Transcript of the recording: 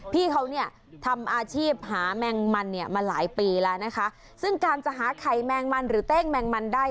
พี่เค้าทำอาชีพหาแมงมันมาหลายปีแล้วซึ่งการจะหาไขมันหรือเต้งแมงมันได้